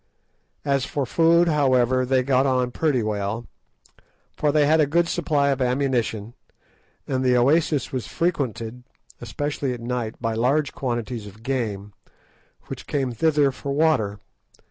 As for food, however, they got on pretty well, for they had a good supply of ammunition, and the oasis was frequented, especially at night, by large quantities of game, which came thither for water.